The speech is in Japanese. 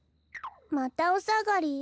またおさがり？